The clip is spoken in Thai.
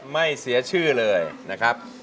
ไม่เสียชื่อเลยนะครับ